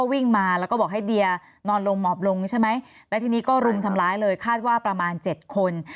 วิ่งมาแล้วก็บอกให้เดียนอนลงหมอบลงใช่ไหมแล้วทีนี้ก็รุมทำร้ายเลยคาดว่าประมาณ๗คน